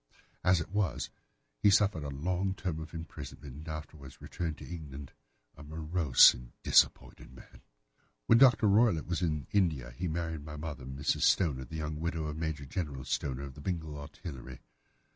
As it was, he suffered a long term of imprisonment and afterwards returned to England a morose and disappointed man. "When Dr. Roylott was in India he married my mother, Mrs. Stoner, the young widow of Major General Stoner, of the Bengal Artillery.